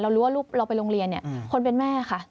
รู้ว่าลูกเราไปโรงเรียนเนี่ยคนเป็นแม่ค่ะ